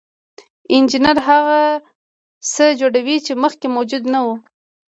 انجینر هغه څه جوړوي چې مخکې موجود نه وو.